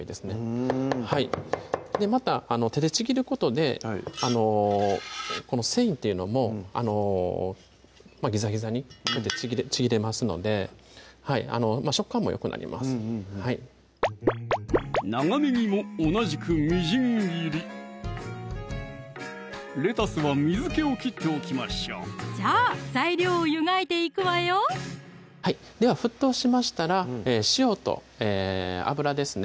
うんまた手でちぎることでこの繊維っていうのもギザギザにちぎれますので食感もよくなりますうんうんうん長ねぎも同じくみじん切りレタスは水気を切っておきましょうじゃあ材料を湯がいていくわよでは沸騰しましたら塩と油ですね